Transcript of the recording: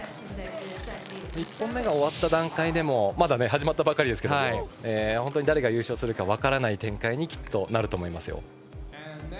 １本目が終わった段階でもまだ始まったばかりですが誰が優勝するか分からない展開になると思います。